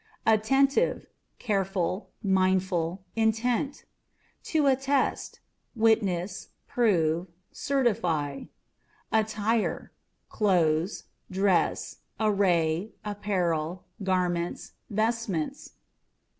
Attentiveâ€" careful, mindful, intent. To Attest â€" witness, prove, certify. Attires â€" clothes, dress, array, apparel, garments, vestments.